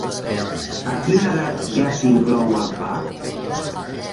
A quina edat ja s'inclou el pa?